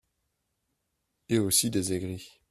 Et aussi des aigris